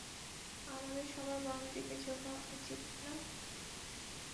আমাদের সবার বাম দিকে ঝোঁকা উচিত না?